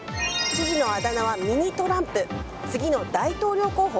知事のあだ名はミニ・トランプ次の大統領候補？